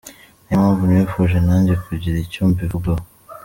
Niyo mpamvu nifuje nanjye kugira icyo mbivugaho.